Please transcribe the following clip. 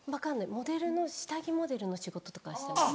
モデルの下着モデルの仕事とかしてました。